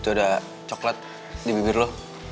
itu ada coklat di bibir loh